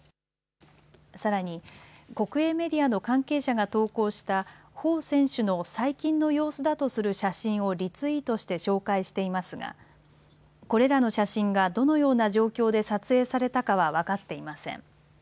さらに国営メディアの関係者が投稿した彭選手の最近の様子だとする写真をリツイートして紹介していますがこれらの写真がどのような状況で撮影されたかは分かっていません。